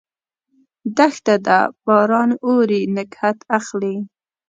دښته ده ، باران اوري، نګهت اخلي